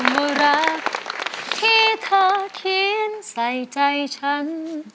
ว่ารักที่เธอเขียนใส่ใจฉัน